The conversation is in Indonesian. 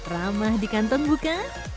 ramah di kantong buka